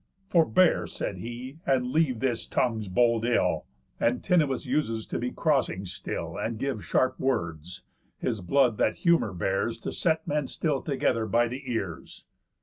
"Forbear," said he, "and leave this tongue's bold ill. Antinous uses to be crossing still, And give sharp words; his blood that humour bears, To set men still together by the ears.